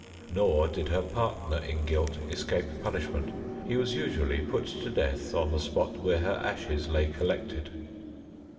Nor did her partner in guilt escape punishment; he was usually put to death on the spot where her ashes lay collected.